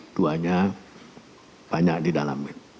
itu hanya banyak di dalam